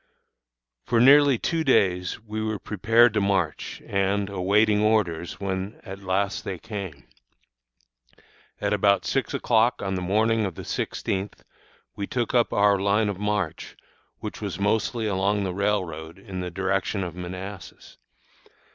For nearly two days we were prepared to march, and awaiting orders, when at last they came. At about six o'clock on the morning of the sixteenth we took up our line of march, which was mostly along the railroad in the direction of Manassas.